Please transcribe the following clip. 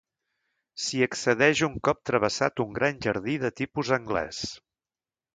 S'hi accedeix un cop travessat un gran jardí de tipus anglès.